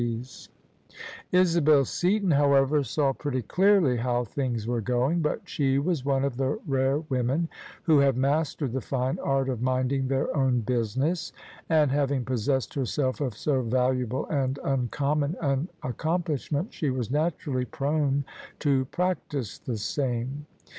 THE SUBJECTION Isabel Seaton, however, saw pretty clearly how things were going; but she was one of the rare women who have mastered the fine art of minding their own business; and, having possessed herself of so valuable and imcommon an accomplishment, she was naturally prone to practise the same.